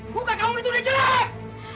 buka kamu itu udah jelek